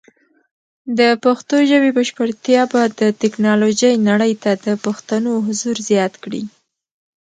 د پښتو ژبې بشپړتیا به د ټیکنالوجۍ نړۍ ته د پښتنو حضور زیات کړي.